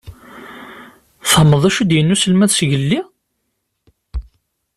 Tfehmeḍ d acu i d-inna uselmad zgelli?